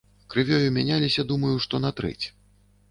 Крывёю мяняліся думаю, што на трэць.